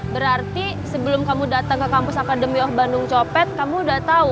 berarti sebelum kamu datang ke kampus akademi of bandung copet kamu udah tahu